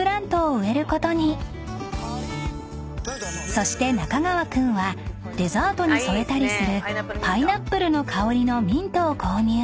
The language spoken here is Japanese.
［そして中川君はデザートに添えたりするパイナップルの香りのミントを購入］